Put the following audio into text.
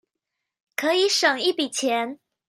可以省一筆錢